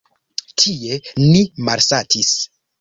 Tie ni malsatis.